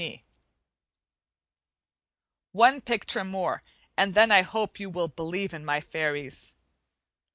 Week 2 One picture more, and then I hope you will believe in my fairies.